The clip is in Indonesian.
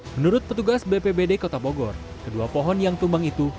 menurut petugas bpbd kota bogor kedua pohon yang tumbang itu